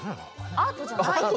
アートじゃないよ。